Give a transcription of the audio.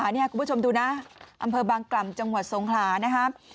นี่คุณผู้ชมดูนะอำเภอบางกล่ำจังหวัดสงขลานะครับ